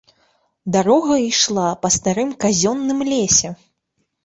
Дарога ішла па старым казённым лесе.